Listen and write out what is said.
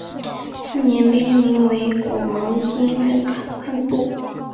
次年被任命为果芒经院堪布。